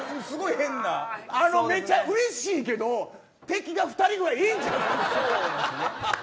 めっちゃうれしいけど敵が２人ぐらいいるんちゃう。